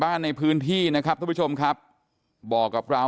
เขาเขาเครียดเขาเขาอะไรเนี่ยเห็บมันกดดันมันอยู่ลำพังเขา